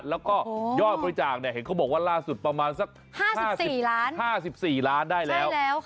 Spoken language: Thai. แล้วก็ยอดบริจาคเห็นเขาบอกว่าล่าสุดประมาณสัก๕๔ล้านได้แล้ว